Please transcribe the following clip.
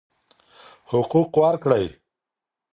حقوق ورکړئ.